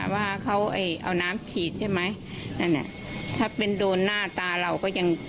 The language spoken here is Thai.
ว่าเขาเอาน้ำฉีดใช่ไหมนั่นอ่ะถ้าเป็นโดนหน้าตาเราก็ยัง